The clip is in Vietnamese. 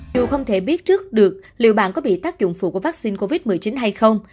dù không thể biết trước được liệu bạn có bị tác dụng phụ của vaccine covid một mươi chín hay không